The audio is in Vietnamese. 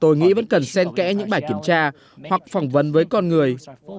tôi nghĩ vẫn cần sen kẽ những bài kiểm tra hoặc phỏng vấn với con người